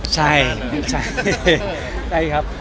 ใช่ใช่ครับ